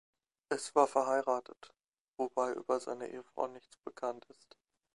Es war verheiratet, wobei über seine Ehefrau nichts bekannt ist.